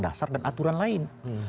dasar dan aturan lain